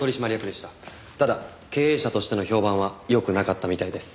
ただ経営者としての評判は良くなかったみたいです。